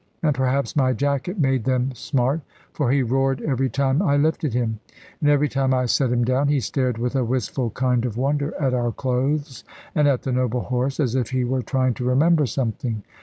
And perhaps my jacket made them smart, for he roared every time I lifted him. And every time I set him down, he stared with a wistful kind of wonder at our clothes, and at the noble horse, as if he were trying to remember something.